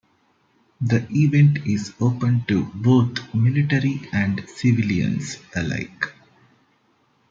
The event is open to both military and civilians alike.